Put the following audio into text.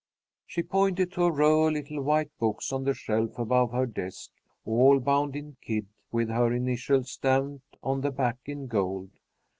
She pointed to a row of little white books on the shelf above her desk, all bound in kid, with her initials stamped on the back in gold.